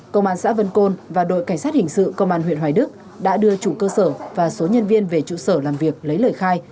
công an xã vân côn và đội cảnh sát hình sự công an huyện hoài đức đã đưa chủ cơ sở và số nhân viên về trụ sở làm việc lấy lời khai